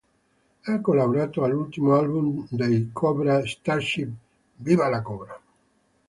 Ha collaborato all'ultimo album dei Cobra Starship "¡Viva La Cobra!